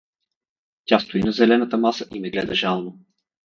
Тя стои на зелената маса и ме гледа жално.